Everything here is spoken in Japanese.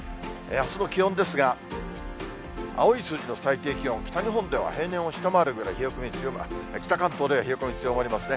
あすの気温ですが、青い数字の最低気温、北日本では平年を下回るぐらい冷え込み強まり、北関東では冷え込み強まりますね。